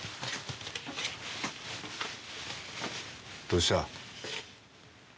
どうした？